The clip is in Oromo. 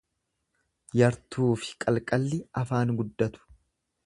Yartuufi qalqalli afaan guddatu.